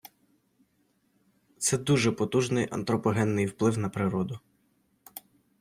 Це дуже потужний антропогенний вплив на природу.